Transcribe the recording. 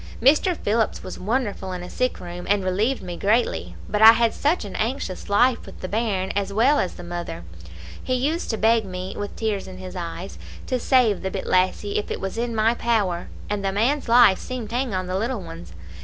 Mr. Phillips was wonderful in a sick room, and relieved me greatly; but I had such an anxious life with the bairn as well as the mother. He used to beg me, with tears in his eyes, to save the bit lassie, if it was in my power, and the man's life seemed to hang on the little one's.